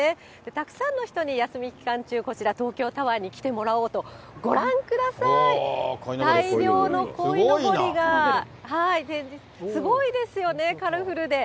たくさんの人に休み期間中、こちら、東京タワーに来てもらおうと、ご覧ください、大量のこいのぼりが、すごいですよね、カラフルで。